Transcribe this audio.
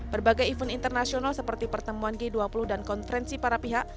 berbagai event internasional seperti pertemuan g dua puluh dan konferensi para pihak